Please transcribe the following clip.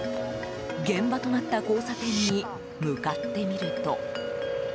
現場となった交差点に向かってみると。